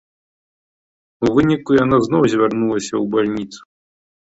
У выніку яна зноў звярнулася ў бальніцу.